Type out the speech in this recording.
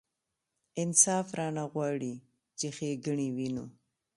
انصاف رانه غواړي چې ښېګڼې وینو.